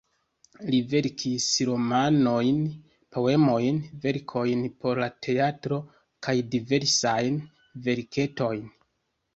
Li verkis romanojn, poemojn, verkojn por la teatro kaj diversajn verketojn.